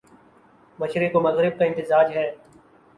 مشرق و مغرب کا امتزاج ہے